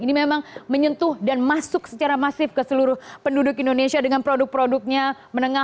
ini memang menyentuh dan masuk secara masif ke seluruh penduduk indonesia dengan produk produknya menengah